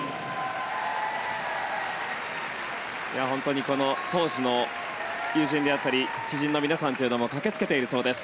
本当に当時の友人であったり知人の皆さんというのも駆けつけているそうです。